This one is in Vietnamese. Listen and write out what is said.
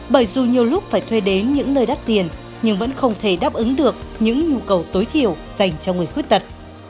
bởi dù nhiều lúc phải thuê đến những nơi đắt tiền nhưng vẫn không thể đáp ứng được những nhu cầu tối thiểu dành cho người khuyết tật